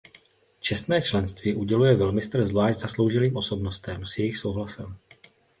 Čestné členství uděluje velmistr zvlášť zasloužilým osobnostem s jejich souhlasem.